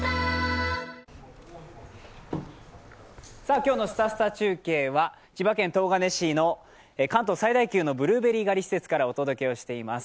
今日の「すたすた中継」は千葉県東金市の関東最大級のブルーベリー狩り施設からお伝えしています。